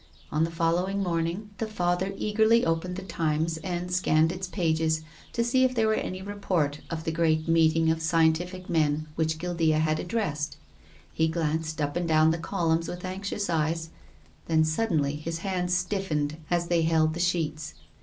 On llie following morning, llic Father 332 TONGUES OF CONSCIENCE. eagerly opened the Times, and scanned its pages to see if there were any report of the great meet ing of scientific men which Guildeahad addressed. He glanced up and down the columns with anx ious eyes, then suddenly his hands stiffened as they held the sheets.